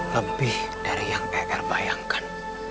lebih dari yang pl bayangkan